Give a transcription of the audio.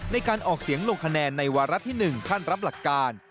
ในการออกเสียงลงคะแนนในวาระที่๑ขั้นรับหลักการ